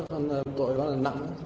con tội con là nặng